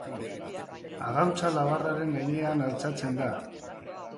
Agauntza labarraren gainean altxatzen da.